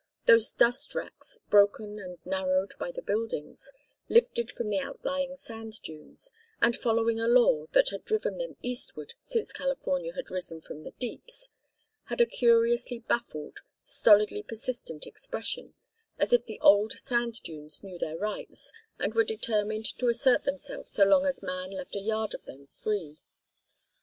Those dust wracks, broken and narrowed by the buildings, lifted from the outlying sand dunes, and following a law that had driven them eastward since California had risen from the deeps, had a curiously baffled, stolidly persistent expression, as if the old sand dunes knew their rights and were determined to assert themselves so long as man left a yard of them free.